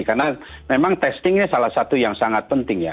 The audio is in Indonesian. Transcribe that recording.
karena memang testingnya salah satu yang sangat penting ya